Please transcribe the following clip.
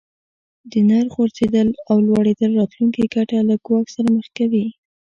د نرخ غورځیدل او لوړیدل راتلونکې ګټه له ګواښ سره مخ کوي.